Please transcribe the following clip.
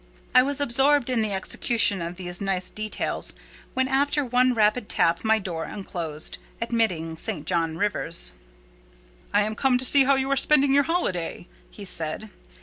I was absorbed in the execution of these nice details, when, after one rapid tap, my door unclosed, admitting St. John Rivers. "I am come to see how you are spending your holiday," he said.